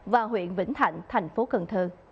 và huyện vĩnh thạnh tp cn